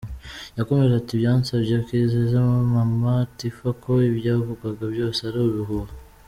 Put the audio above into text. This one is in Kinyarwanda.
Yakomeje ati “Byansabye kwizeza Mama Tiffah ko ibyavugwaga byose ari ibihuha.